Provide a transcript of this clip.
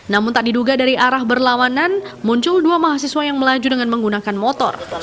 namun tak diduga dari arah berlawanan muncul dua mahasiswa yang melaju dengan menggunakan motor